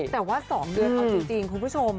แต่ว่า๒เดือนเอาจริงคุณผู้ชม